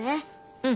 うん。